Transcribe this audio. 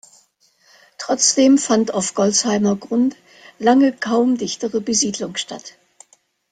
Trotzdem fand auf Golzheimer Grund lange kaum dichtere Besiedlung statt.